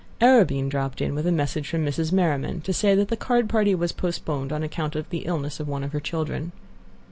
Arobin dropped in with a message from Mrs. Merriman, to say that the card party was postponed on account of the illness of one of her children.